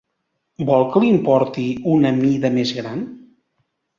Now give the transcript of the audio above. Vol que li'n porti una mida més gran?